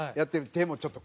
手もちょっと。